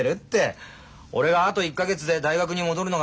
俺があと１か月で大学に戻るのが悲しいんだろ？